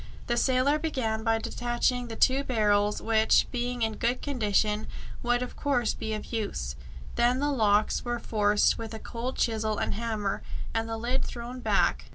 The sailor began by detaching the two barrels, which, being in good condition, would of course be of use. Then the locks were forced with a cold chisel and hammer, and the lid thrown back.